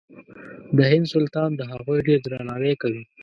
د هند سلطان د هغوی ډېر درناوی کوي.